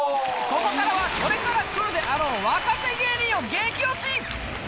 ここからはこれからくるであろう若手芸人を激推し！